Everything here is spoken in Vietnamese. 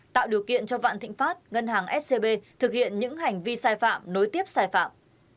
tạo điều kiện cho vạn thịnh pháp ngân hàng scb thực hiện những hành vi sai phạm nối tiếp sai phạm